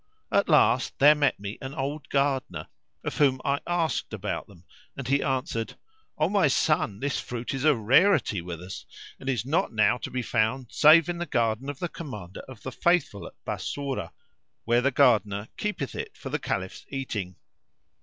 At last there met me an old gardener. of whom I asked about them and he answered, "O my son, this fruit is a rarity with us and is not now to be found save in the garden of the Commander of the Faithful at Bassorah, where the gardener keepeth it for the Caliph's eating."